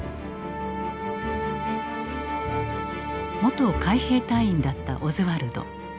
元海兵隊員だったオズワルド。